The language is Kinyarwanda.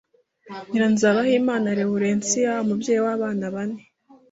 Nyiranzabahimana Laburensiya, umubyeyi w’abana bane